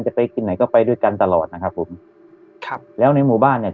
จะไปกินไหนก็ไปด้วยกันตลอดนะครับผมครับแล้วในหมู่บ้านเนี้ย